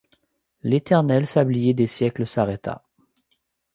L'éternel sablier des siècles s'arrêta